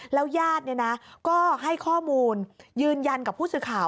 แล้วญาติก็ให้ข้อมูลยืนยันกับผู้สื่อข่าว